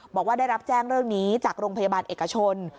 บอกว่าได้รับแจ้งเรื่องนี้จากโรงพยาบาลเอกชน